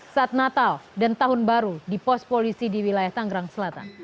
saat natal dan tahun baru di pos polisi di wilayah tanggerang selatan